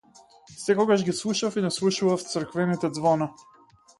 Секогаш ги слушав и наслушував црквените ѕвона.